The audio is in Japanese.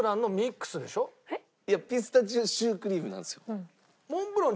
いやピスタチオシュークリームなんですよ。